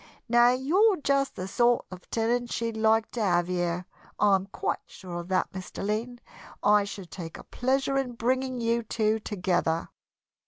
Now you're just the sort of tenant she'd like to have here. I'm quite sure of that, Mr. Lynn. I should take a pleasure in bringing you two together."